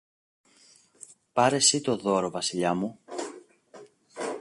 Πάρε συ το δώρο, Βασιλιά μου